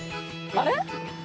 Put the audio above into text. あれ？